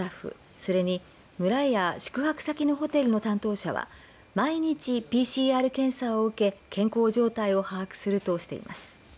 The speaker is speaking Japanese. それに、村や宿泊先のホテルの担当者は毎日、ＰＣＲ検査を受け健康状態を把握するとしています。